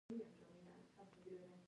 د کیوي دانه د هضم لپاره وکاروئ